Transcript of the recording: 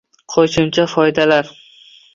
Qo‘shimcha foydalar